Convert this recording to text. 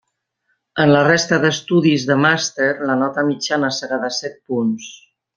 En la resta d'estudis de màster la nota mitjana serà de set punts.